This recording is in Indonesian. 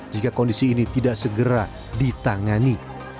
jika kondisi ini tidak segera ditangani